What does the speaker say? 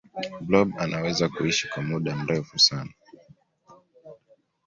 blob anaweza kuishi kwa muda mrefu sana